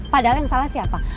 padahal yang salah siapa